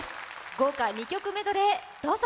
豪華２曲メドレー、どうぞ！